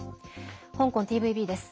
香港ＴＶＢです。